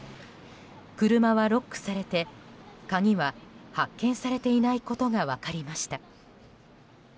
車はロックされて鍵は発見されていないことが分かりました。